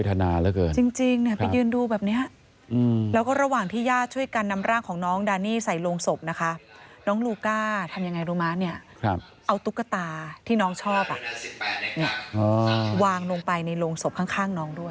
แบบนี้เอาปุ๊กตาที่น้องชอบวางไว้ในโรงศพข้าง